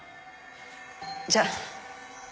じゃあ。